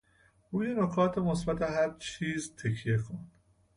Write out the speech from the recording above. روی نکات مثبت هرچیز تکیه کن.